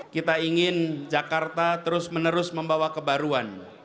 kita ingin jakarta terus menerus membawa kebaruan